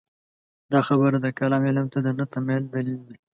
دا خبره د کلام علم ته د نه تمایل دلیل دی.